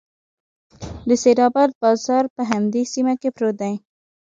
د سیدآباد بازار په همدې سیمه کې پروت دی.